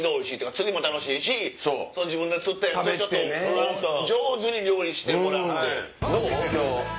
釣りも楽しいし自分で釣ったやつを上手に料理してもらって。